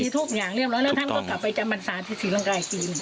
ทุกอย่างเรียบร้อยแล้วท่านก็กลับไปจำบรรษาที่ศรีรังกายจีน